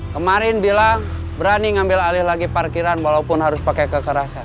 kemarin bilang berani ngambil alih lagi parkiran walaupun harus pakai kekerasan